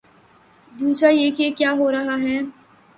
دوسرا یہ کہ کیا ہو رہا ہے۔